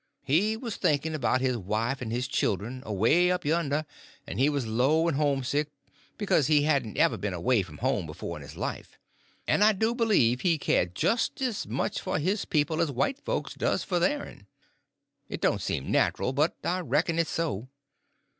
He was thinking about his wife and his children, away up yonder, and he was low and homesick; because he hadn't ever been away from home before in his life; and I do believe he cared just as much for his people as white folks does for their'n. It don't seem natural, but I reckon it's so.